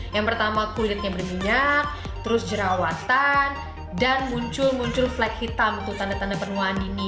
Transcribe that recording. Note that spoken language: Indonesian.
yang pertama kulitnya berminyak terus jerawatan dan muncul muncul flag hitam itu tanda tanda penuaan dini